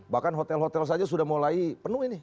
bahkan hotel hotel saja sudah mulai penuh ini